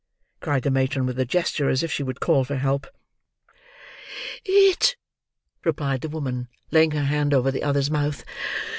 cried the matron, with a gesture as if she would call for help. "It!" replied the woman, laying her hand over the other's mouth.